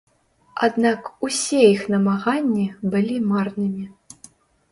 Аднак усе іх намаганні былі марнымі.